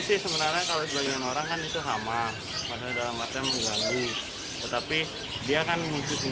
sih sebenarnya kalau sebagian orang kan itu sama pada dalam artian mengganggu tetapi dia kan mungkin